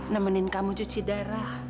nemenin kamu cuci darah